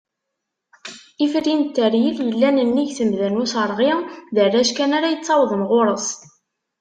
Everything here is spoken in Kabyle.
Ifri n Tteryel, yellan nnig Temda n Userɣi, d arrac kan ara yettawḍen ɣur-s.